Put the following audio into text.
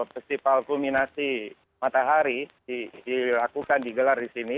festival kulminasi matahari dilakukan digelar di sini